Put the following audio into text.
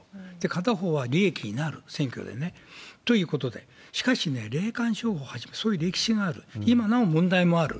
片方は利益になる、選挙でね、ということで、しかしね、霊感商法は、そういう歴史がある、今なお問題もある。